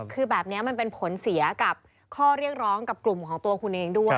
คือแบบนี้มันเป็นผลเสียกับข้อเรียกร้องกับกลุ่มของตัวคุณเองด้วย